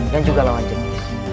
dan juga lawan jenis